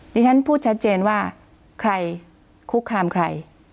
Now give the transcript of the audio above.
ฉันพูดชัดเจนว่าใครคุกคามใคร